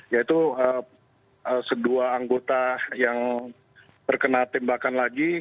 yaitu kedua anggota yang terkena tembakan lagi